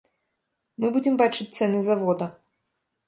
Мы будзем бачыць цэны завода.